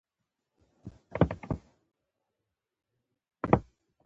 سلیمان غر د افغانستان د بڼوالۍ برخه ده.